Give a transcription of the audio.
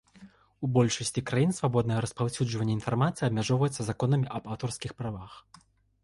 У большасці краін свабоднае распаўсюджванне інфармацыі абмяжоўваецца законамі аб аўтарскіх правах.